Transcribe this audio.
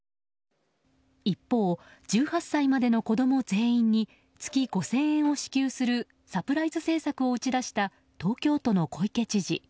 一方、１８歳までの子供全員に月５０００円を支給するサプライズ政策を打ち出した東京都の小池知事。